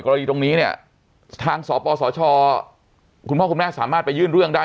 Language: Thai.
กรณีตรงนี้เนี่ยทางสปสชคุณพ่อคุณแม่สามารถไปยื่นเรื่องได้